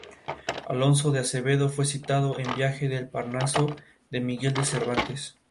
Este holding es uno de los más importantes de Ecuador.